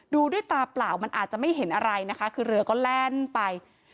ดูด้วยตาเปล่ามันอาจจะไม่เห็นอะไรนะคะคือเรือก็แล่นไป